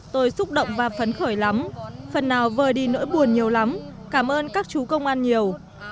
tôi xúc động và phấn khởi lắm phần nào vơi đi nỗi buồn nhiều lắm cảm ơn các chú công an nhiều